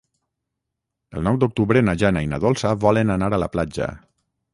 El nou d'octubre na Jana i na Dolça volen anar a la platja.